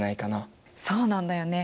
そうなんだよね。